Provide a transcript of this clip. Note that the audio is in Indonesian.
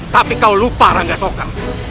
tapi kau lupa ranggasoka